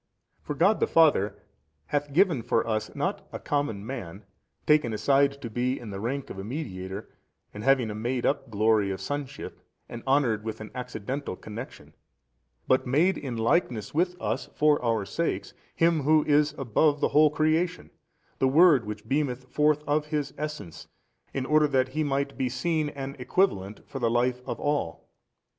for God the Father hath given for us, not a common man, taken aside to be in the rank of a mediator, and having a made up glory of sonship and honoured with an accidental connection, but, made in likeness with us for our sakes, Him Who is above the whole creation, the Word Which beamed forth of His Essence, in order that He might be seen an equivalent for the life of all.